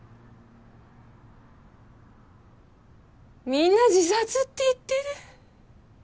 みんな自殺って言ってる。